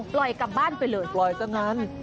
ปล่อยกลับบ้านไปเลยไหนจ้ะนั้น